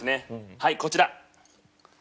はいこちら。